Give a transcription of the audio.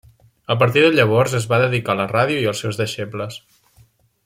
A partir de llavors es va dedicar a la ràdio i als seus deixebles.